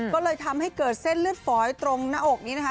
ก็เลยทำให้เกิดเส้นเลือดฝอยตรงหน้าอกนี้นะคะ